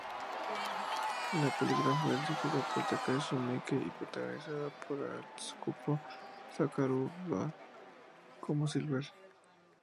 La película fue dirigida por Takashi Miike, y protagonizada por Atsuko Sakuraba como Silver.